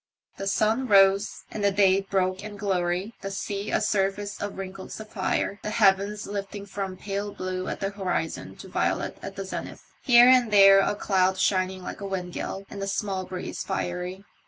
The sun rose, and the day broke in glory, the sea a surface of wrinkled sapphire, the heavens lifting from pale blue at the horizon to violet at the zenith, here and there a cloud shining like a wind gall, and the small breeze fiery.